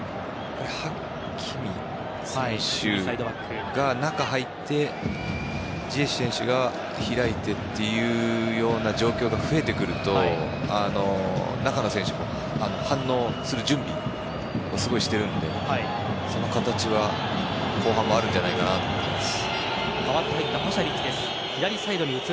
ハキミ選手が中に入ってジエシュ選手が開いてっていうような状況が増えてくると、中の選手も反応する準備をすごいしているのでその形は、後半もあるんじゃないかなと思います。